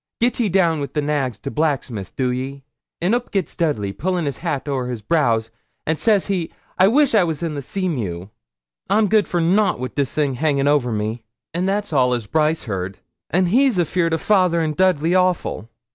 Get ye down wi' the nags to blacksmith, do ye." An' oop gits Dudley, pullin' his hat ower his brows, an' says he, "I wish I was in the Seamew. I'm good for nout wi' this thing a hangin' ower me." An' that's all as Brice heard. An' he's afeard o' fayther and Dudley awful.